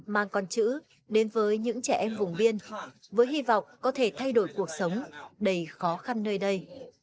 mang con chữ đến với những trẻ em vùng biên với hy vọng có thể thay đổi cuộc sống đầy khó khăn nơi đây